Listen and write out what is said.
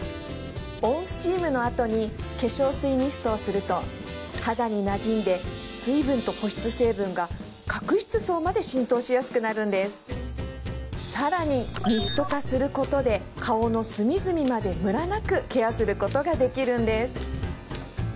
温スチームのあとに化粧水ミストをすると肌になじんで水分と保湿成分が角質層まで浸透しやすくなるんですさらにミスト化することで顔のすみずみまでムラなくケアすることができるんです